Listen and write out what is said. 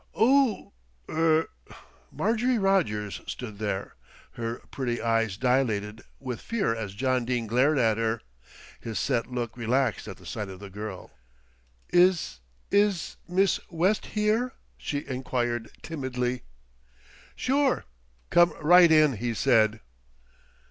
"Oo er!" Marjorie Rogers stood there, her pretty eyes dilated with fear as John Dene glared at her. His set look relaxed at the sight of the girl. "Is is Miss West here?" she enquired timidly. "Sure, come right in," he said.